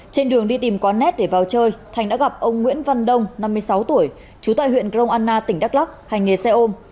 trên đường đi tìm có nét để vào chơi thành đã gặp ông nguyễn văn đông năm mươi sáu tuổi trú tại huyện grong anna tỉnh đắk lắc hành nghề xe ôm